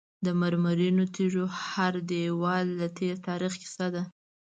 د مرمرینو تیږو هر دیوال د تیر تاریخ کیسه ده.